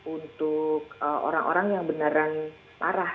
untuk orang orang yang beneran parah